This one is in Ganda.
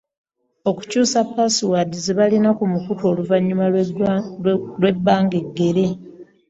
Okukyusa ‘password' ze bakozesa ku mukutu oluvannyuma lw'ebbanga eggere.